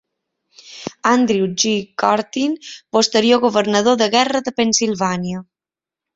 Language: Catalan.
Andrew G. Curtin, posterior governador de guerra de Pennsilvània.